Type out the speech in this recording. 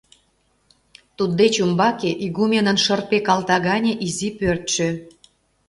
Туддеч умбаке — игуменын шырпе калта гане изи пӧртшӧ.